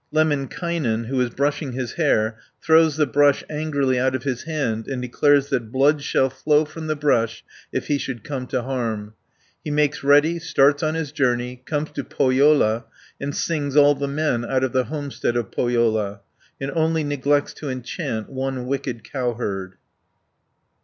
Lemminkainen, who is brushing his hair, throws the brush angrily out of his hand and declares that blood shall flow from the brush if he should come to harm (129 212). He makes ready, starts on his journey, comes to Pohjola, and sings all the men out of the homestead of Pohjola; and only neglects to enchant one wicked cowherd (213 504).